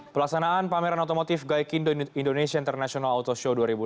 pelaksanaan pameran otomotif gaikindo indonesia international auto show dua ribu delapan belas